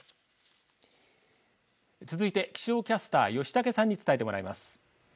続いて気象キャスター吉竹さんに伝えてもらいます。